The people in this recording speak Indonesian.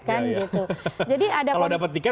kalau dapat tiket